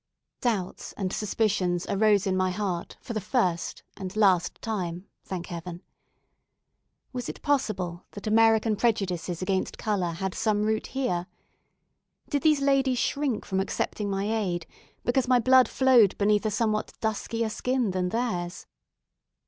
Doubts and suspicions arose in my heart for the first and last time, thank Heaven. Was it possible that American prejudices against colour had some root here? Did these ladies shrink from accepting my aid because my blood flowed beneath a somewhat duskier skin than theirs?